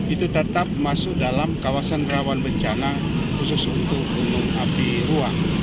itu tetap masuk dalam kawasan rawan bencana khusus untuk gunung api ruang